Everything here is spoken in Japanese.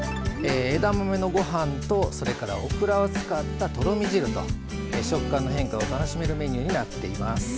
枝豆のご飯と、それからオクラを使ったとろみ汁と食感の変化を楽しめるメニューになっています。